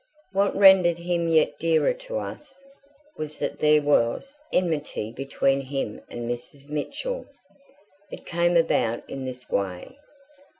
What rendered him yet dearer to us, was that there was enmity between him and Mrs. Mitchell. It came about in this way.